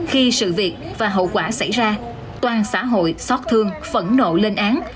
khi sự việc và hậu quả xảy ra toàn xã hội xót thương phẫn nộ lên án